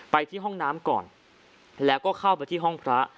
ไปที่ห้องน้ำก่อนแล้วก็เข้าไปที่ห้องพระ